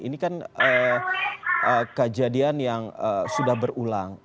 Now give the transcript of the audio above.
ini kan kejadian yang sudah berulang